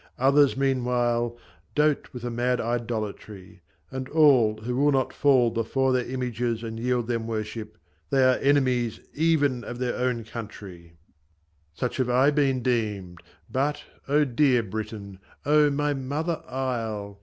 Others, meanwhile, Dote with a mad idolatry ; and all Who will not fall before their images, And yield them worship, they are enemies Even of their country ! [Image] [Image] [Image] Such have I been deemed But, O dear Britain ! O my Mother Isle